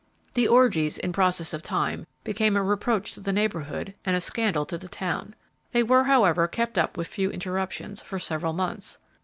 The orgies, in process of time, became a reproach to the neighborhood and a scandal to the town. They were, however, kept up with few interruptions, for several months.